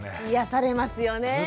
癒やされますよね。